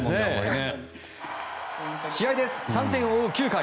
試合は３点を追う９回。